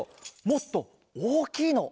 もっとおおきいの。